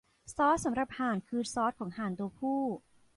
ซอสสำหรับห่านคือซอสของห่านตัวผู้